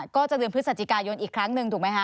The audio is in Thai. ก็จะเดือนพฤศจิกายนอีกครั้งหนึ่งถูกไหมคะ